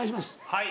はい。